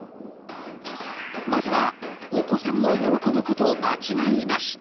まずはお子さんも喜ぶこと間違いなし！